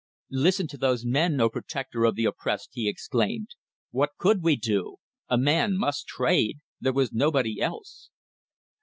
"Listen to those men, O Protector of the oppressed!" he exclaimed. "What could we do? A man must trade. There was nobody else."